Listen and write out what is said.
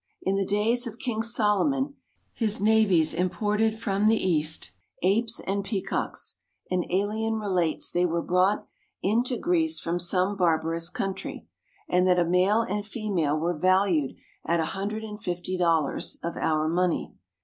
In the days of king Solomon his navies imported from the East apes and peacocks, and Ælian relates they were brought into Greece from some barbarous country, and that a male and a female were valued at a hundred and fifty dollars of our money.